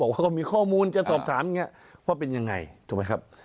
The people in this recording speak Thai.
ว่าเป็นยังไงถูกไหมครับ